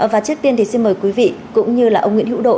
và trước tiên thì xin mời quý vị cũng như là ông nguyễn hữu độ